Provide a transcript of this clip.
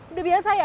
udah biasa ya